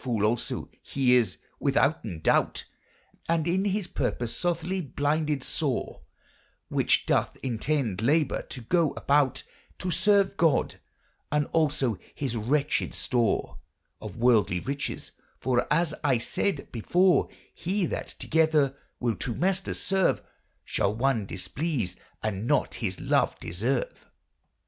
A fole also he is withouten doute, And in his porpose sothly blyndyd sore, Which doth entende labour or go aboute To serve god, and also his wretchyd store Of worldly ryches : for as I sayde before, He that togyder will two maysters serve Shall one displease and nat his love deserve.